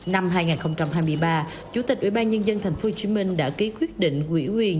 năm hai nghìn hai mươi ba chủ tịch ủy ban nhân dân thành phố hồ chí minh đã ký quyết định quỷ quyền